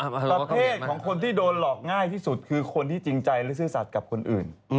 ประเทศของคนที่โดนหลอกง่ายที่สุดคือคนที่จริงใจและซื่อสัตว์กับคนอื่น